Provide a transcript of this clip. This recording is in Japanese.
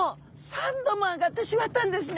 ３℃も上がってしまったんですね。